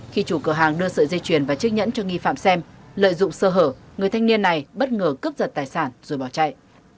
khi chủ cửa hàng đưa sợi dây chuyền và chiếc nhẫn cho nghi phạm xem lợi dụng sơ hở người thanh niên này bất ngờ cướp giật tài sản rồi bỏ chạy